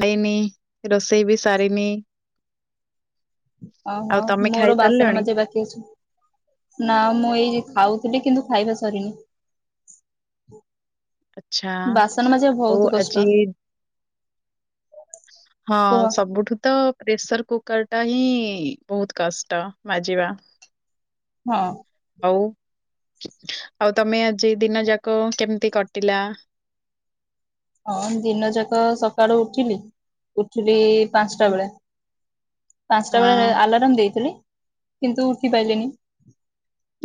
ନେଇ ନେଇ ରୋଷେଇ ବି ସାରିନି। ଓହୋ ଆଉ ତମେ ମୋର ବାସନ ଖାଇସାରିଲଣି? ମଜା ବାକି ଅଛି ନା ମୁଁ ଏଇ ଖାଉଥିଲି କିନ୍ତୁ ଖାଇବା ସରିନି। ଆଚ୍ଛା ବାସନ ମାଜିବା ଆଉ ବହୁତ କଷ୍ଟ ଆଜି ହଁ କୁହ ସବୁଠୁ ତ ପ୍ରେସର କୁ କୁକରଟା ହିଁ ବହୁତ କଷ୍ଟ ମାଜିବା। ହଁ। ହଉ ଆଉ ତମେ ଆ ଜି ଦିନ ଯାକ କେମ୍ ଟି କଟିଲା। ହଁ ଦିନ ଯାକ ସକାଳୁ ଉଠିଲି ଉଠିଲି ପାଞ୍ଚଟା ହୁଁ, ବେଳେ। ପାଞ୍ଚଟା ବେଳେରେ ହଁ ଆଲାରାମ ଦେଇଥିଲି କିନ୍ତୁ ଉଠି ପାଇଲିନି।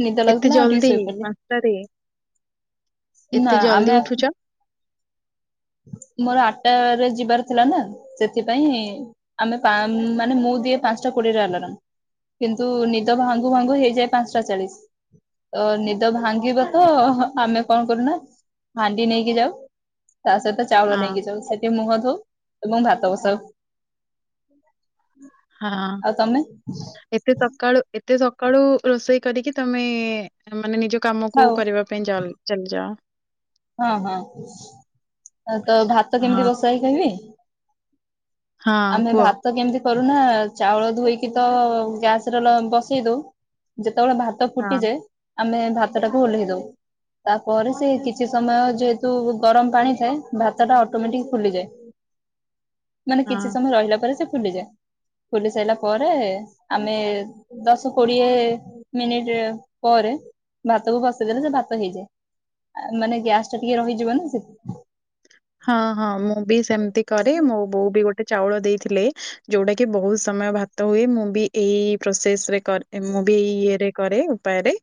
ନିଦ ଏତେ ଲାଗୁଥିଲା ଆଉ ଟିକେ ଜଲଦି ଶୋଇପଡିଲି ପାଞ୍ଚଟାରେ ନା ଏତେ ଆମେ ଜଲଦି ଉଠୁଚ? ମୋର ଆଟା ରେ ଯିବାର ଥିଲା ନା ସେଥିପାଇଁ ଆମେ ପାଁ ମାନେ ମୁଁ ଦିଏ ପାଞ୍ଚଟା କୋଡିଏରେ ଆଲାରମ କିନ୍ତୁ ନିଦ ଭାଙ୍ଗୁ ଭାଙ୍ଗୁ ହେଇଯାଏ ପାଞ୍ଚଟା ଚାଳିଶି ତ ନିଦ ଭାଙ୍ଗିବ ତ ଆମେ କଣ କରୁନା ହାଣ୍ଡି ନେଇକି ଯାଉ। ତା ସହିତ ଚାଉଳ ହଁ ନେଇକି ଯାଉ ସେଠି ମୁହଁଧୋଉ। ତାକୁ ମାନେ ଭାତ ବସାଉ। ହଁ ଆଉ ତମେ ଏତେ ସକାଳୁ ଏତେ ସ ସକାଳୁ ରୋଷେଇ କରିକି ତମେ ମାନେ ନିଜ କାମକୁ ଖାଉ କରିବା ପାଇଁ ଚଲ ଚାଲିଯାଅ। ହଁ ହଁ ତ ଭାତ ହଁ କେମିତି ବସାଏ କହିବି? ହଁ ଆମେ କୁହ ଭାତ କେମିତି କରୁନା ଚାଉଳ ଧୋଇକି ତ ଗ୍ୟାସରେ ଲ ବସେଇ ଦଉ ଯେ ଯେତବେଳେ ଭାତ ହଁ ଫୁଟିଯାଏ। ଆମେ ଭାତ ଟାକୁ ଓଲ୍ହେଇ ଦଉ ତାପରେ ସେ କି କିଛି ସମୟ ଯେହେତୁ ଗରମ ପାଣି ଥାଏ ଭାତ ଟା ଅଟୋମେଟିକ ଫୁଲିଯାଏ। ମାନେ ହଁ। କିଛି ସମୟ ରହିଲା ପରେ ସେ। ଫୁଲିଯାଏ ଫୁଲି ସାରିଲା ପରେ ଆମେ ଦଶ କୋଡିଏ ମିନିଟ ପରେ ଭାତକୁ ବସେଇଦେଲେ ସେ ଭାତ ହେଇଯାଏ। ମାନେ ଗ୍ୟାସ ଟା ଟିକେ ରହିଯିବ ନା ସେ ହଁ ହଁ ମୁଁ ବି ସେମ ତି କରେ ମୋ ବୋଉ ବି ଗୋ ଗୋଟେ ଚାଉଳ ଦେଇଥିଲେ ଯୋଉଟା କି ବହୁତ ସମୟ ଭାତ ହୁଏ ମୁଁ ବି ଏଇ ପ୍ରୋସେସ ରେ କର ମୁଁ ବି ଏଇ ଇଏରେ କରେ ଉପାୟରେ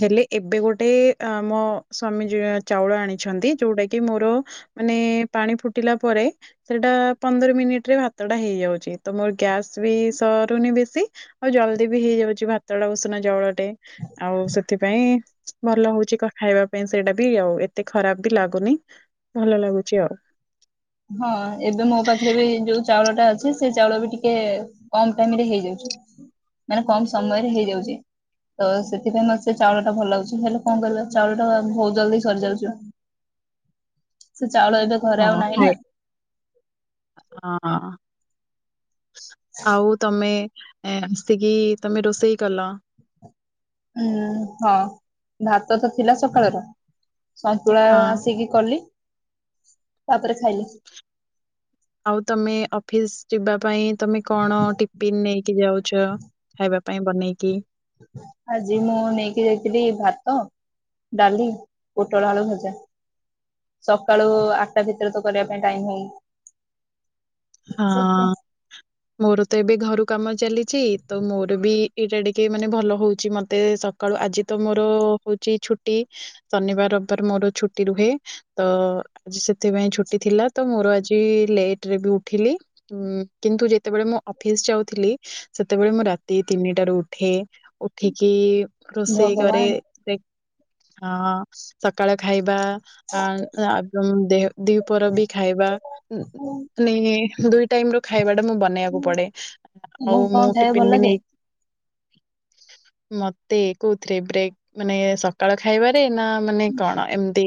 ହେଲେ ଏବେ ଗୋଟେ ଅ ମୋ ସ୍ଵାମୀ ଯ ଚାଉଳ ଆଣିଛନ୍ତି ଯୋଉଟା କି ମୋର ମାନେ ପାଣି ଫୁଟିଲା ପରେ ସେଟା ପନ୍ଦର ମିନିଟ ରେ ଭାତ ଟା ହେଇଯାଉଛି ତ ମୋର ଗ୍ୟସ ବି ସରୁନି ବେଶୀ ଆଉ ଜଲଦି ବି ହେଇଯାଉଛି। ଭାତଟା ଉଷୁନା ଚାଉଳଟେ ଆଉ ସେଥିପାଇଁ ଭଲ ହଉଛି କ ଖାଇବା ପାଇଁ ସେଇଟା ବି ଆଉ ଏତେ ଖରାପ ବି ଲାଗୁନି। ଭଲ ଲାଗୁଛି ଆଉ। ହଁ ଏବେ ମୋ ପାଖରେ ବି ଯୋଉ ଚାଉଳ ଅଛି ସେ ଚାଉଳ ବି ଟିକେ କମ ଟାଇମରେ ହେଇଯାଉଛି ମାନେ କମ ସମୟରେ ହେଇଯାଉଛି ତ ସେଥିପାଇଁ ମତେ ସେ ଚାଉଳ ଟା ଭଲ ଲାଗୁଛି ହେଲେ କଣ କରିବା ଚାଉଳ ଟା ବହୁତ ଜଲଦି ସରିଯାଉଚି। ଚାଉଳ ଏବେ ହଁ ଘରେ ଆଉ ନାହିଁ ଖାଇ ନା। ହଁ। ଆଉ ତମେ? ଏ ଆସିକି ତମେ ରୋଷେଇ କଲ ଉଁ ହଁ ଭାତ ତ ଥିଲା ସକାଳର ସନ୍ତୁଳା ହଁ ଆସିକି କଲି। ତାପରେ ଖାଇଲେ। ଆଉ ତମେ ଅଫିସ ଯିବା ପାଇଁ ତମେ କଣ ଟିଫିିନ ନେଇକି ଯାଉଛ ଖାଇବା ପାଇଁ ବନେଇକି ଆଜି ମୁଁ ନେଇକି ଯାଇଥିଲି ଭାତ ଡାଲି ପୋଟଳ ଆଳୁ ଭଜା ସକାଳୁ ଆଠଟା ଭିତରେ ତ କରିବା ପାଇଁ ଟାଇମ ହଉ ହଁ ମୋର ତ ଏବେ ଘରୁ କାମ ଚାଲିଛି ତ ମୋର ବି ଏଇଟା ଟିକେ ମାନେ ଭଲ ହଉଛି ମତେ ସକାଳୁ ଆଜି ତ ମୋର ହଉଛି ଛୁଟି ଶନିବାର ରବିବାର ମୋର ଛୁଟି ରୁହେ ତ ଆଜି ସେଥିପାଇଁ ଛୁଟି ଥିଲା ତ ମୋର ଆଜି ଲେଟ ରେ ବି ଉ ଠୀଲି କିନ୍ତୁ ଯେତେବେଳେ ମୁଁ ଅଫିସ ଯାଉଥିଲି ସେତେବେଳେ ମୁଁ ରାତି ତିନିଟାରୁ ଉଠେ। ଉଠିକି ରୋଷେଇ କରେ। ଭଗବାନ ହଁ ସକାଳ ଖାଇବା ଆ ଆ ଦେହ ଦିପ ବି ଖାଇବା ଉଁ ମାନେ ଦୁଇ ଟାଇମ ର ଖାଇବା ବେନେଇବାକୁ ପଡେ ମୁଁ ଆଉ ମୁ କଣ ଖାଇବାକୁ ଭଲ ଟିପିନ ବି ଲାଗେ ନେଇ ମତେ କଉଥିରେ ବ୍ରେକ୍ ମାନେ ସକାଳ ଖାଇବାରେ ନା ମାନେ କଣ ଏମତି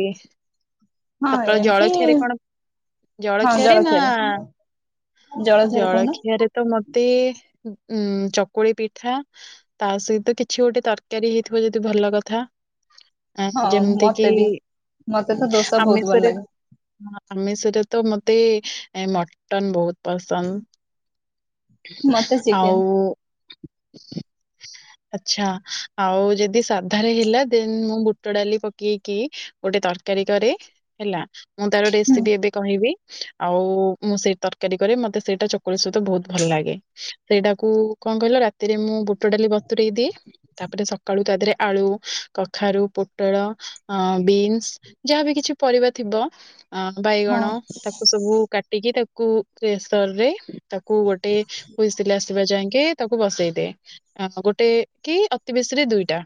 ହଁ ସକାଳ ଏମିତି ଜଳଖିଆରେ କଣ ଜଳଖିଆରେ ନା ଜଳଖିଆରେ ତ ମତ ମତେ ଉ ଚକୁଳି ପିଠା ତା ସହିତ କିଛି ଗୋଟେ ତରକାରୀ ହେଇଥିବ ଯଦି ଭଲ କଥା। ଆ, ହଁ ଯେମିତି କି ମତେ ବି ମତେ ତ ଦୋସା ବହୁତ। ଭଲ ଆମିଷରେ ଲାଗେ ତ ମ ମତେ ମଟନ୍ ବହୁତ ପସନ୍ଦ ମତେ ଚିକେନ ଆଉ ଆଛା ଆଉ ଯଦି ସାଧାରେ ହେଲା ଦେନ୍ ମୁଁ ବୁଟଡାଲି ପକେଇକି ଗୋଟେ ତରକାରୀ କରେ। ହେଲା ମୁଁ ତାର ହୁଁ ରେସିପି ଏବେ କହିବି। ଆଉ ମୁଁ ସେଇ ତରକାରୀ କରେ ମତେ ସେଇଟା ଚକୁଳି ସହିତ ବୋହୁତ ଭଲଲାଗେ ସେଇଟାକୁ କଣ କହିଲ ରାତିରେ ମୁଁ ବୁଟ ଡାଲି ବତୁରେଇ ଦିଏ ତାପରେ ସକାଳୁ ତା ଦେହରେ ଆଳୁ କଖାରୁ ପୋଟଳ ଅଁ ବିନସ୍ ଯାହାବି କିଛି ପରିବା ଥିବ ଆଁ ହଁ ବାଇଗଣ ତାକୁ ସବୁ କା ଟିକେ ତାକୁ୍ ପ୍ରେସରରେ ତାକୁ ଗୋଟେ ହୁଇସିଲ ଆସ୍ ଥିବା ଯାଏଁକେ ତାକୁ ବସେଇ ଦେଁ ଗୋଟେ କି ଅତି ବେଶୀରେ ଦୁଇଟା।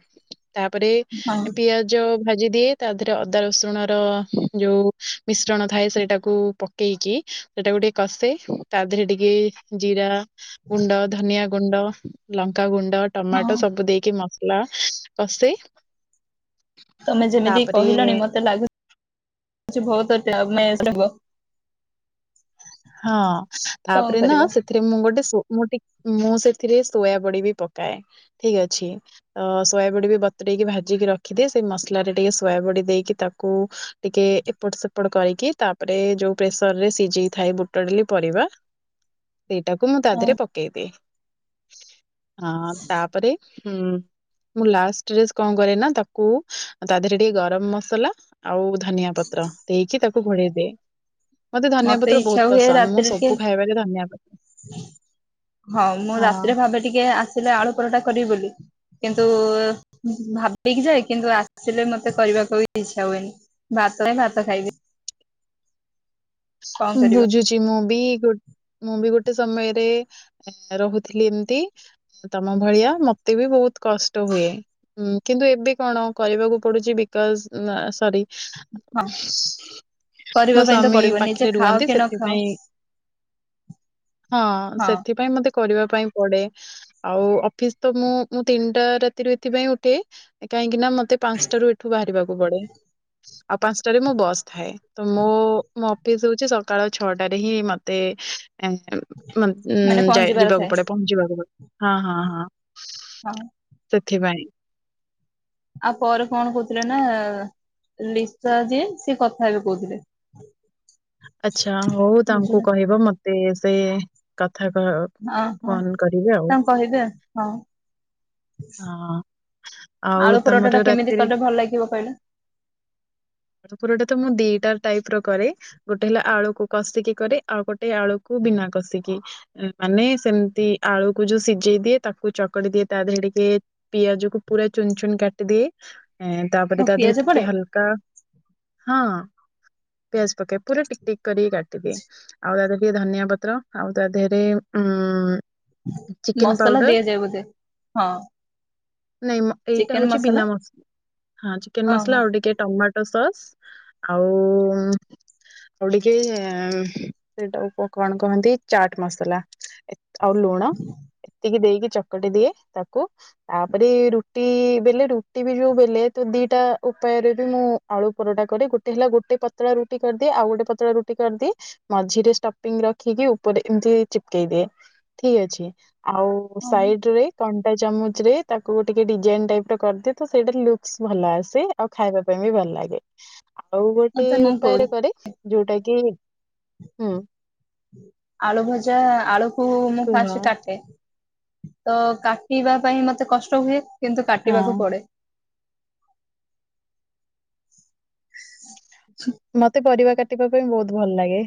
ତାପରେ ହଁ ଏ ପିଆଜ ଭାଜିଦିଏ ତା ଦେହରେ ଅଦା ରସୁଣର ଯୋଉ ମିଶ୍ରଣ ଥାଏ ସେଇଟାକୁ ପକେଇକି ସେଟାକୁ ଟିକେ କଷେ ତା ଦେହରେ ଟିକେ ଜିରା ଗୁଣ୍ଡ ଧନିଆ ଗୁଣ୍ଡ ଲଙ୍କା ଗୁ ହଁ ଟମାଟୋ ସବୁ ଦେଇକି ମ ନା କଷେ ତମେ ଯେମିତି ତାପରେ କହିଲଣି ମତେ ଲାଗୁ ସେ ଭୋଉତ ଡ୍ୟାମେଜ ରହିବ। ହଁ ତାପରେ ନା କରିବା ସେଥିରେ ମୁଁ ଗୋଟେ ସୋ ମୁଁ ଟି ମୁଁ ସେ ଏଥିରେ ସୋୟାବଡି ବି ପକାଏ ଠିକ ଅଛି ଅ ସୋୟାାବଡ଼ି ବି ବତୁରେଇକି ଭାଜିକି ରଖିଦିଏ ସେଇ ମସଲାରେ ଟିକେ ସୋୟାବଡି ଦେଇକି ତାକୁ ଟିକେ ଏପଟ ସେପଟ କରିକି ତାପରେ ଯୋଉ ପ୍ରେସର ରେ ସିଝେଇ ଥାଏ ବୁ ତାଡିଲି ପରିବା ଏଇଟାକୁ ମୁଁ ତା ହଁ ଦେହରେ ପକେଇଦିଏ। ହଁ ତାପରେ ମୁଁ ଲାଷ୍ଟରେ କଣ କରେ ନା ତାକୁ ତା ଦେହରେ ଟିକେ ଗରମ ମସଲା ଆଉ ଧନିଆ ପତ୍ର ଦେଇକି ତାକୁ ଘୋଡେଇଦିଏ। ମତେ ଧାନିଆ ପତ୍ର ବୋହୁ ଇଚ୍ଛା ହୁଏ ପସନ୍ଦ ମୁଁ ରାତିରେ ଟିକେ ସବୁ ଖାଇବାରେ ଧନଆ ପ ହଁ ମୁଁ ରାତିରେ ଭାବେ ଟିକେ ଆସିଲେ ଆଳୁ ପରଟା କରିବି ବୋଲି। କିନ୍ତୁ ଭାବିକି ଯାଏ କିନ୍ତୁ ଆସିଲେ ମତେ କରିବାକୁ ବି ଇଚ୍ଛା ହୁଏନି ଭାତ ଏ ଭାତ ଖାଇବି। କଣ କରିବା ବୁଝୁଛି ମୁଁ ବି ଗୋ ମୁଁ ବି ଗୋ ଗୋଟେ ସମୟରେ ରହୁଥିଲି ଏମତି ତମ ଭଳିଆ ମତେ ବି ବୋହୁତ କଷ୍ଟ ହୁଏ ହୁଁ କିନ୍ତୁ ଏବେ କଣ କରିବାକୁ ପଡୁଚି ବିକଜ ଆଁ ସରି ହଁ ମୋ କରିବା ପାଇଁ ତ ସ୍ୱାମୀ ପଡିବ ପାଖରେ ନିଜେ ଖାଅ ରୁହନ୍ତି କି ନଖାଅ ସେଥିପାଇଁ ହଁ ସେଥିପାଇଁ ମତେ କରିବା ପାଇଁ ପଡେ ଆଉ ଅଫିସ ତ ମୁଁ ମୁଁ ତିନିଟା ରାତି ର ଏଥିପାଇ ଉଠେ କାହିଁକି କି ନା ମତେ ପାଞ୍ଚଟ ର ଏଠୁ ବାହାରିବାକୁ ପଡେ। ଆଉ ପାଞ୍ଚଟାରେ ମୁଁ ବସ୍ ଥାଏ। ତ ମୁଁ ି ହଉଚ ସକାଳ ଛଅଟାରେ ହିଁ ମତେ। ଉ ମାନେ ଯାଇ ପହଞ୍ଚିବାର ଯିବାକୁ ଥାଏ ପଡେ ପହଞ୍ଚିବାକୁ ପଡେ। ହଁ ହଁ ହଁ। ହଁ ଥିପାଇଁ ଆଉ ପରେ କଣ କହୁଥିଲେ ନା ଲିସା ଯିଏ ସେି କଥା ଏବେ କହୁଥିଲେ। ଆଚଛା ହଉ ତାଙ୍କୁ ବୁଝିଲେ କହିବ ମତେ ତ ସେ କଥା କ ଅ ହଁ ଫୋନ କରିବି ଆଉ ତାଙ୍କୁ କହିବେ ହଁ ହ ଆଉ ଆଳୁ ପରଟା ଟା ତମର କେମିତି ରାତିରେଟେ କଲେ ଭଲ ଲାଗିବ କହିଲେ ତ ମୁଁ ଦିଟା। ଟାଇପ ର କରେ। ଗୋଟେ ହେଲା ଆଳୁକୁ କଷିକି କରେ ଆଉ ଗୋଟେ ଆଳୁକୁ ବିନା କଷିକି ମାନେ ସେମିତି ଆଳୁକୁ ଯୋଉ ସିଝେଇ ଦିଏ ତାକୁ ଚକଡି ଦିଏ ତା ଦେହରେିକେ ପିଆଜ କ ପୁରା ଚୁନ ଚୁନ କାଟିଦିଏ। ଁ ତାପରେ ହଁ ତା ଦେହରେ ପିଆଜ ଟିକେ ପଡେ ହାଲକା ହଁ। ପିଆଜ ପକେଇ ପୁରା ଟିକ ଟିକ କରିକି କାଟିଦିଏ ଆଉ ତା ଦେହରେ ଧନିଆ ପତ୍ର ଆଉ ତା ଦେହରେ ଉ ମସଲା ଦିଆଯାଏ ବୋଧେ ହଁ। ନାଇଁ ଏଇଟା ହଉଛି ବିନା ମସଲା ହଁ ଚିକେନ ଓହୋ ମସଲା ଆଉ ଟିକେ ଟମାଟୋ ସସ୍। ଆଉ ଆଉ ଟିକେ ସେଇଟା କଣ କହନ୍ତି ଚାଟ ମସଲା। ଆଉ ଲୁଣ ଏତିକି ଦେଇକି ଚକଟି ଦିଏ ତାକୁ ତାପରେ ରୁଟି ବେଲେ ରୁଟି ବି ଯୋଉ ବେଲେ ତ ଦିଟା ଉପାୟରେ ବି ମୁଁ ଆଳୁ ପରଟା କରେ ଗୋଟେ ହେଲା ଗୋଟେ ପତଳା ରୁଟି କର୍ ଦିଏ ଆଉ ଗୋଟେ ପତଳା ରୁଟି କରିଦିଏ ମଝିରେ ଷ୍ଟପିଙ୍ଗ୍ ରଖିକି ଉପରେ ଏମତି ଚିପ୍ କେଇଦିଏ ଠିକ୍ ଅଛି। ଆଉ ହଁ ସାଇଡ୍ ରେ କ ଟା ଚାମୁଚ୍ ରେ ତାକୁ ଟିକେ ଡିଜାଇନ୍ ଟାଇପ୍ ର କରିଦିଏ ତ ସେଇଟା ଲୁକ୍ସ୍ ଭଲ ଆସେ ଆଉ ଖାଇବା ପାଇଁ ବି ଭଲ୍ ଲାଗେ। ଆଉ ଗୋଟେ ତ ମୁଁ କହୁଛି ଉପାୟରେ କରେ ଯୋଉଟା କି ହୁଁ। ଆଳୁ ଭଜା ଆଳୁକୁ ମୁଁ କୁହ ଫାଷ୍ଟ୍ କାଟେ। ତ କାଟିବା ପାଇଁ ମତେ କଷ୍ଟ ହୁଏ। କିନ୍ତୁ କାଟିବାକୁ ହଁ ପଡେ। [unintelligible] ମତେ ପରିବା କା ଟିବା ପାଇଁ ବହୁତ୍ ଭଲ୍ ଲାଗେ।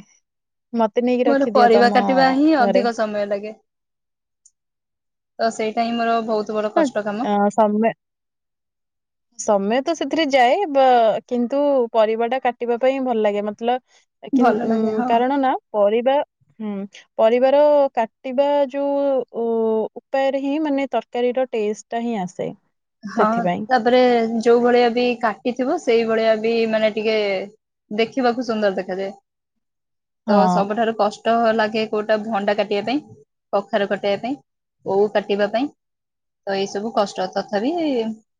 ମତେ ନେଇକି ମୋର ରଖିଦିଅ ପରିବା ତମ କାଟିବା ହିଁ ଘରେ ଅଧିକ ସମୟ ଲାଗେ। ତ ସେଇଟା ହି ମୋର ବହୁତ୍ ହେତ୍ ଅ ସମୟେ ସମେୟ୍ ତ ସେଥିରେ ଯାଏ ବା କିନ୍ତୁ ପରିବା ଟା କାଟିବା ପାଇଁ ଭଲ୍ ଲାଗେ ମତଲବ୍ କି ଭଲ ଲାଗେ ହଁ କାରଣ ନା ପରିବା ହୁଁ ପରିବାର କାଟିବା ଯୋଉ ଉ ଉପାୟରେ ହିଁ ମାନେ ତରକାରୀର ଟେଷ୍ଟ୍ ଟା ହିଁ ଆସେ। ହଁ ସେଥିପାଇଁ ତ ପରେ ଯୋଉ ଭଳିଆ ବି କାଟିଥିବ ସେଇ ଭଳିଆ ବି ମାନେ ଟିକେ ଦେଖିବାକୁ ସୁନ୍ଦର୍ ଦେଖାଯାଏ। ହଁ ତ ସବୁଠାରୁ କଷ୍ ଟ ଲାଗେ କୋଉଟା ଭଣ୍ଡା କାଟିବା ପାଇଁ କଖାରୁ କଟେଇବା ପାଇଁ ଓଉ କାଟିବା ପାଇଁ ତ ଏଇ ସବୁ କଷ୍ଟ ତ [inaudible]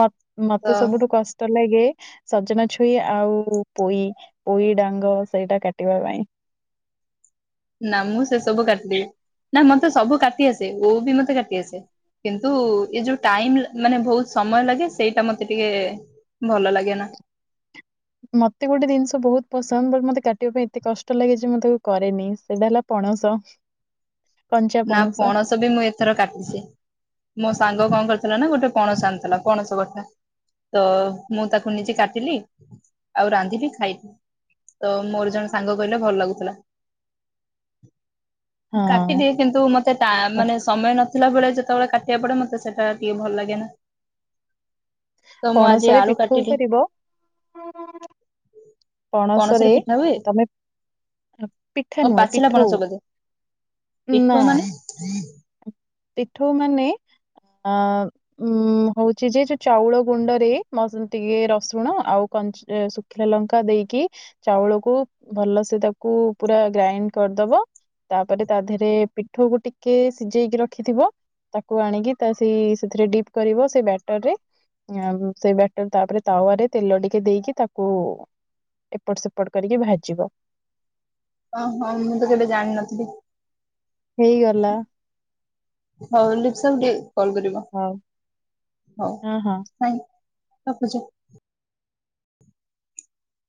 ମ ମତେ ତ ସବୁଠୁ କଷ୍ଟ ଲାଗେ ସଜନା ଛୁଇ ଆଉ ପୋଇ ପୋଇ ଡାଙ୍ଗ ସେଇଟା କାଟିବା ପାଇଁ। ନା ମୁଁ ସେ ସବୁ କାଟିଦେବି ନା ମ ତ ସବୁ କାଟି ଆସେ ଓଉ ବି ମତେ କାଟି ଆସେ। କିନ୍ତୁ ଏ ଯୋଉ ଟାଇମ୍ ମାନେ ବହୁତ୍ ସମୟ ଲାଗେ ସେଇଟା ମତେ ଟିକେ ଭଲ ଲାଗେ ନା ମତେ ଗୋଟେ ଜିନିଷ ବହୁତ୍ ପସନ୍ଦ ମତେ କାଟିବା ପାଇଁ ଏତେ କଷ୍ଟ ଲାଗେ ଯେ ମୁଁ ତାକୁ କରେନି ସେଇଟା ହେଲା ପଣସ। ନା ପଣସ ବି ମୁଁ ଏଥର କାଟିଛି ମୋସ ସାଙ୍ଗ କଣ କରିଥିଲା ନା ଗୋଟେ ପଣସ ଆଣିଥିଲା, ପଣସ କଥା ତ ମୁଁ ତାକୁ ନିଜେ କାଟିଲି। ଆଉ ରାନ୍ଧିଲି ଖାଇଲି। ତ ମୋର ଜଣେ ସାଙ୍ଗ କହିଲେ ଭଲ ଲାଗୁଥିଲା। [inaudible] କାଟିି ହଁ। ଦେଇ କିନ୍ତୁ ମତେ ତା ମାନେ ସମୟ ନ ନଥିଲା ବେଳେ ଯେତେବେଳେ କାଟିବାକୁ ପଡେ ମତେ ସେଟା ଟିକେ ଭଲ ଲାଗେନା। ପଣସରେ ପିଠଉ କରିବ, ପଣସରେ ପିଠା ହୁଏ ତମେ ପିଠା ଆଉ ନୁହେଁ ପିଠଉ। ଦେଖ ମାନେ? କୁଂ ପୀଠଉ ମନେ ଆଁ ଉଁ ହେଉଚି ଯେ ଚାଉଳ ଗୁଣ୍ଡ ରେ ରସୁଣ ଆଉ କନ ଶୁଖିଲା ଲଙ୍କା ଦେଇକି ଚାଉଳକୁ ଭଲ ସେ ତାକୁ ପୁରା ଗ୍ରାଇଣ୍ଡ କରିଦେବ, ତାପରେ ତା ଦେହରେ ପିଠୋକୁ ଟିକେ ଶିଝେଇକି ରଖି ରଖିଥିବ ତାକୁ ଆଣିକି ତା ସେଇ ସେଥିରେ ଡିପ୍ କରିବ ସେଇ ବ୍ୟାଟରରେ, ସେ ବ୍ୟାଟର ତାପରେ ତାୱରେ ତେଲ ଟିକେ ଦେଇକି ତାକୁ ଏପଟ ସେପଟ କରିକି ଭାଜିବ। ଅଁ ହଁ ମୁଁ ତ କେବେ ଜାଣିନଥିଲି। ହେଇଗଲା। ହଉ ଲିପସନ ଡେ କଲ କରିବା ହଉ, ହଁ ହେଇଁ କାପୁଜା